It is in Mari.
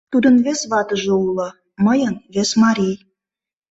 — Тудын вес ватыже уло, мыйын — вес марий...